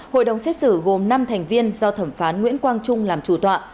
hội đồng xét xử gồm năm thành viên do thẩm phán nguyễn quang trung làm chủ tọa